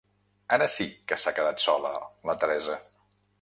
Ara sí que s'ha quedat sola, la Teresa.